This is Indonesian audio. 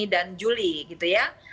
dan juli gitu ya